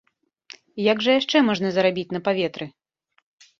Як жа яшчэ можна зарабіць на паветры?